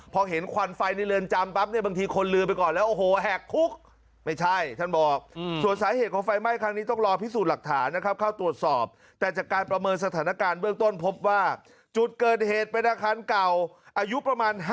พอเห็นควันไฟในเรือนจำปั๊บบางทีคนลืมไปก่อนแล้วโอ้โฮแหกคุก